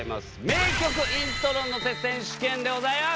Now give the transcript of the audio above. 名曲イントロ乗せ選手権でございます！